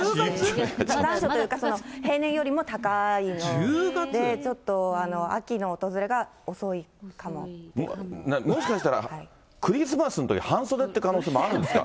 残暑というか、平年よりも高いので、ちょっと、もしかしたらクリスマスのとき、半袖って可能性もあるんですか？